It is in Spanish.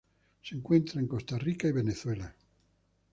Se encuentra en Costa Rica y Venezuela.